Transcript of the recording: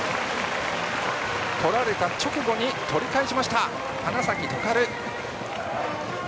取られた直後に取り返しました花咲徳栄！